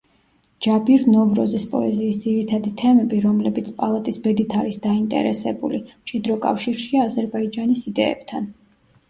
ჯაბირ ნოვროზის პოეზიის ძირითადი თემები, რომლებიც პალატის ბედით არის დაინტერესებული, მჭიდრო კავშირშია აზერბაიჯანის იდეებთან.